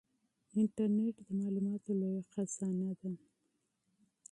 انټرنیټ د معلوماتو لویه خزانه ده.